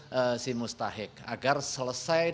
dan juga untuk menjaga kemampuan kemampuan kebutuhan